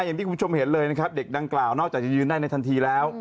อย่างที่คุณผู้ชมเห็นเลยนะครับเด็กดังกล่าวนอกจากจะยืนได้ในทันทีแล้ว